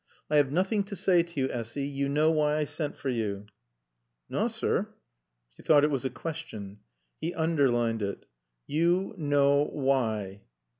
"I have nothing to say to you, Essy. You know why I sent for you." "Naw, sir." She thought it was a question. He underlined it. "You know why."